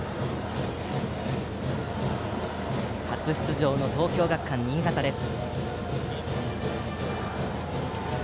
初出場の東京学館新潟です。